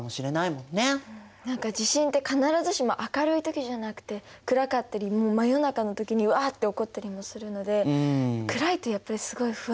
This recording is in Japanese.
何か地震って必ずしも明るい時じゃなくて暗かったり真夜中の時にわって起こったりもするので暗いとやっぱりすごい不安になりそうですよね。